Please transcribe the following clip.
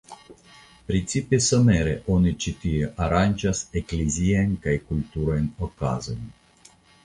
Precipe somere oni ĉi tie aranĝas ekleziajn kaj kultuajn okazojn.